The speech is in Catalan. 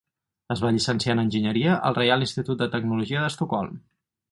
Es va llicenciar en enginyeria al Reial Institut de Tecnologia d'Estocolm.